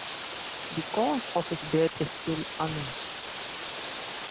The cause of his death is still unknown.